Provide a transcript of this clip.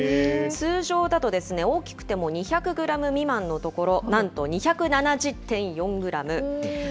通常だと大きくても２００グラム未満のところ、なんと２７０．４グラム。